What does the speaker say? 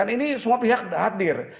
ini semua pihak hadir